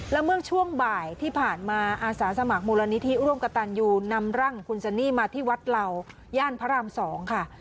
แล้วเมื่อช่วงบ่ายที่ผ่านมาอาสาสมัครมูลนิธิร่วมกับตันยูนำร่างของคุณซันนี่มาที่วัดเหล่าย่านพระราม๒ค่ะ